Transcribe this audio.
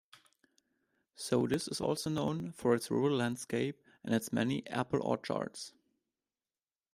Sodus is also known for its rural landscape and its many apple orchards.